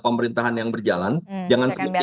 pemerintahan yang berjalan jangan seperti